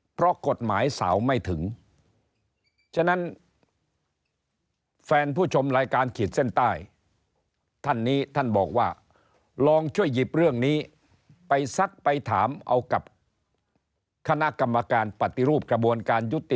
เพราะกฎหมายสาวไม่ถึงฉะนั้นแฟนผู้ชมรายการขีดเส้นใต้ท่านนี้ท่านบอกว่าลองช่วยหยิบเรื่องนี้ไปซักไปถามเอากับคณะกรรมการปฏิรูปกระบวนการยุติ